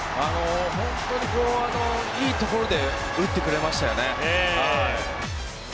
本当にいいところで打ってくれましたよね。